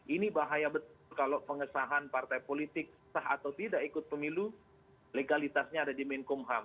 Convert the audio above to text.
ini bahaya betul kalau pengesahan partai politik sah atau tidak ikut pemilu legalitasnya ada di menkumham